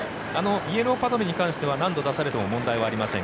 イエローパドルに関しては何度出されても問題はありません。